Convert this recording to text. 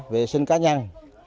vệ sinh cá nhân